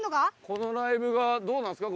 このライブがどうなんすか？